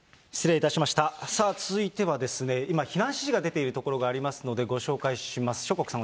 さあ続いては、今、避難指示が出ている所がありますので、ご紹介します。